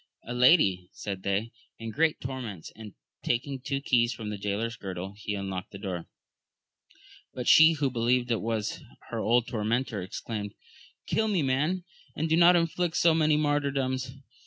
A lady, said they, in great tor ments ; and taking two keys from the jaylor's girdle, he unlocked the door ; but she, who believed it was her old tormentor, exclaimed. Kill me man, and do not inflict so many martyrdoms